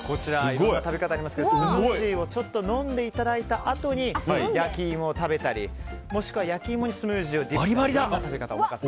いろんな食べ方ありますがスムージーをちょっと飲んでいただいたあとに焼き芋を食べたりもしくは、焼き芋にスムージーをディップしたり。